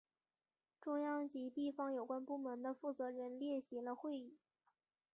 中央及地方有关部门的负责人列席了会议。